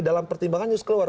dalam pertimbangan harus keluar